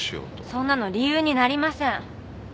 そんなの理由になりません。